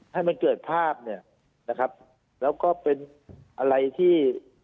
ให้มันเกิดภาพแล้วก็เป็นอะไรที่